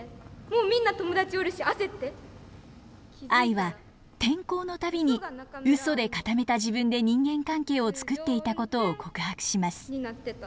愛は転校の度にうそで固めた自分で人間関係を作っていたことを告白します。